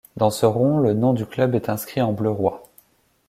Dans ce rond, le nom du club est inscrit en bleu roi.